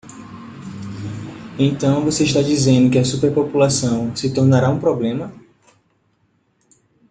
Então você está dizendo que a superpopulação se tornará um problema?